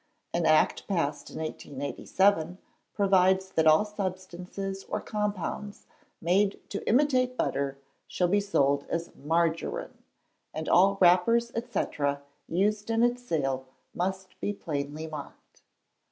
An Act passed in 1887 provides that all substances or compounds made to imitate butter shall be sold as Margarine, and all wrappers, &c., used in its sale must be plainly marked.